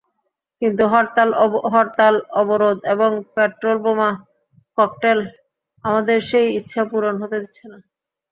কিন্তু হরতাল-অবরোধ এবং পেট্রলবোমা, ককটেল আমাদের সেই ইচ্ছা পূরণ হতে দিচ্ছে না।